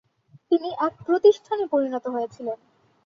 তিনি এক প্রতিষ্ঠানে পরিণত হয়েছিলেন।